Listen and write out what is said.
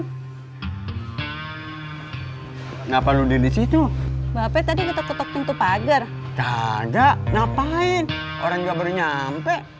kenapa lu di situ bapak tadi ketuk ketuk pintu pagar enggak ngapain orangnya baru nyampe